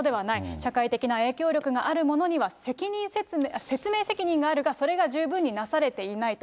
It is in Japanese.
社会的な影響力があるものには説明責任があるが、それが十分になされていないと。